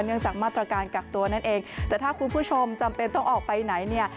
จากมาตรการกักตัวนั่นเองแต่ถ้าคุณผู้ชมจำเป็นต้องออกไปไหนเนี่ย